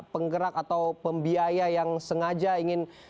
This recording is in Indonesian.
penggerak atau pembiaya yang sengaja ingin